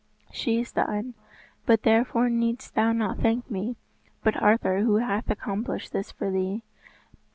"She is thine, but therefore needst thou not thank me, but Arthur who hath accomplished this for thee.